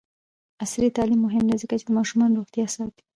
عصري تعلیم مهم دی ځکه چې د ماشومانو روغتیا ساتي.